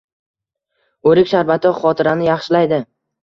O'rik sharbati xotirani yaxshilaydi.